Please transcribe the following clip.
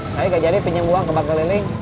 saya gak jadi pinjam uang ke bank keliling